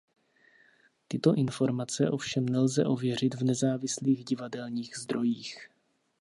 Tyto informace ovšem nelze ověřit v nezávislých divadelních zdrojích.